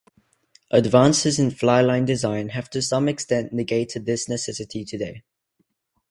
Advances in fly line design have to some extent negated this necessity today.